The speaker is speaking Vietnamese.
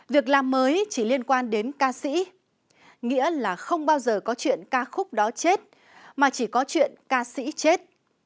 việc làm mới chỉ liên quan đến ca sĩ nghĩa là không bao giờ có chuyện ca khúc đó chết mà chỉ có chuyện ca sĩ chết